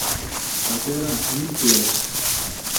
πατέρα, μην κλαις.